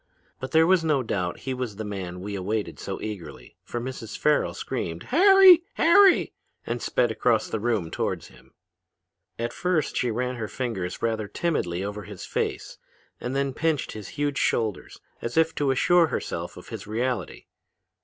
But there was no doubt he was the man we awaited so eagerly, for Mrs. Farrel screamed 'Harry! Harry!' and sped across the room towards him. "At first she ran her fingers rather timidly over his face, and then pinched his huge shoulders, as if to assure herself of his reality.